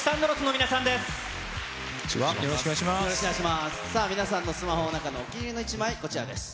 皆さんのスマホの中のお気に入りの１枚、こちらです。